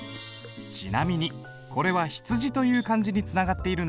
ちなみにこれは「羊」という漢字につながっているんだ。